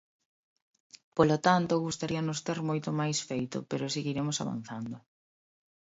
Polo tanto, gustaríanos ter moito máis feito, pero seguiremos avanzando.